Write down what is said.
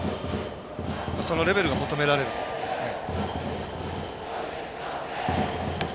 そのレベルが求められると思いますね。